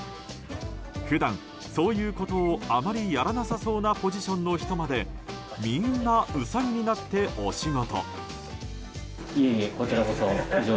普段、そういうことをあまりやらなそうなポジションの人までみんな、ウサギになってお仕事。